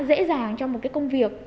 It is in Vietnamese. nó quá dễ dàng trong một công việc